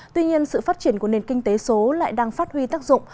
tuy nhiên sự phát triển của nền kinh tế số lại đang phát huy tác dụng